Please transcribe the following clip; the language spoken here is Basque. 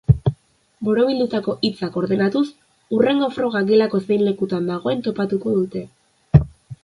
Borobildutako hitzak ordenatuz, hurrengo froga gelako zein lekuan dagoen topatuko dute.